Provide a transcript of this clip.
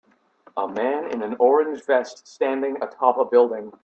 A man in an orange vest standing atop a building.